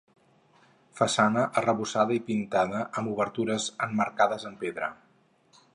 Façana arrebossada i pintada amb obertures emmarcades en pedra.